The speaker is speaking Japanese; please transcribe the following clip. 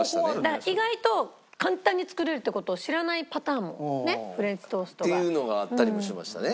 だから意外と簡単に作れるって事を知らないパターンもねっフレンチトーストが。っていうのがあったりもしましたね。